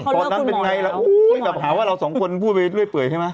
ตอนนั้นเป็นอย่างไรหาว่าเราสองคนพูดไปด้วยเปื่อยใช่ไหม